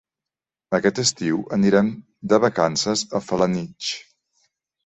Aquest estiu anirem de vacances a Felanitx.